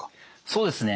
そうですね。